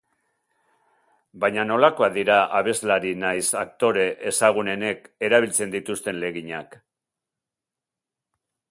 Baina nolakoak dira abeslari nahiz aktore ezagunenek erabiltzen dituzten legginak?